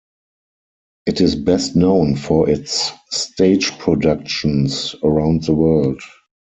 It is best known for its stage productions around the world.